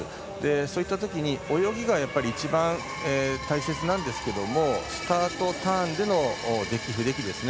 そういったとき泳ぎが一番大切なんですがスタート、ターンでの動きですね。